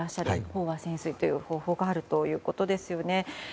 飽和潜水という方法があるということです。